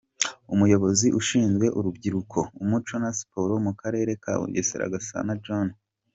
Umuyobozi ushinzwe urubyiruko, umuco na siporo mu karere ka Bugesera, Gasana John.